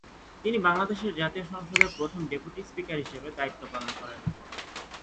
তিনি বাংলাদেশের জাতীয় সংসদের প্রথম ডেপুটি স্পিকার হিসাবে দায়িত্ব পালন করেন।